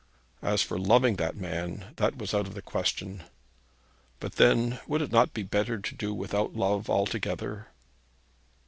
As for loving the man, that was out of the question. But then would it not be better to do without love altogether?